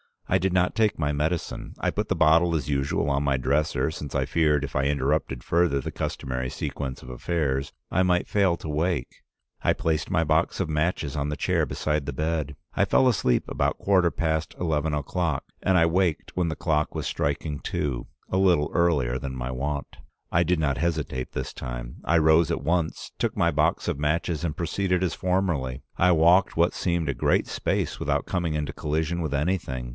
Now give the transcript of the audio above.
"I did not take my medicine. I put the bottle as usual on my dresser, since I feared if I interrupted further the customary sequence of affairs I might fail to wake. I placed my box of matches on the chair beside the bed. I fell asleep about quarter past eleven o'clock, and I waked when the clock was striking two — a little earlier than my wont. I did not hesitate this time. I rose at once, took my box of matches and proceeded as formerly. I walked what seemed a great space without coming into collision with anything.